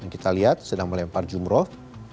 kita lihat sedang melempar jumroh